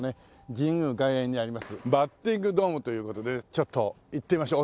神宮外苑にありますバッティングドームという事でちょっと行ってみましょう。